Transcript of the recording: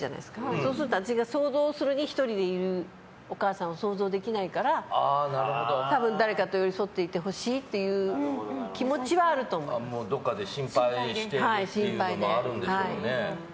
そうすると、私が１人でいるお母さんを想像できないから多分、誰かと寄り添っていてほしいというどこかで心配してるっていうのもあるんでしょうね。